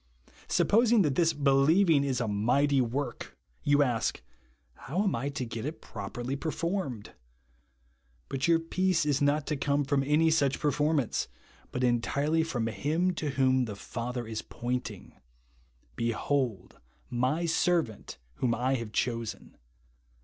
Supposing that this believing is a mighty w^ork, you ask, " How am I to get it properly performed ?" But your peace is not to come from any such performance, but entirely from Him to whom the Father is pointing, " Behold my servant whom I have chosen."